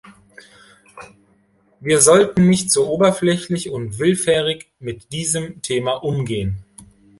Wir sollten nicht so oberflächlich und willfährig mit diesem Thema umgehen.